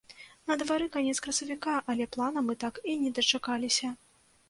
На двары канец красавіка, але плана мы так і не дачакаліся.